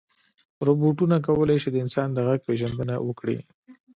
روبوټونه کولی شي د انسان د غږ پېژندنه وکړي.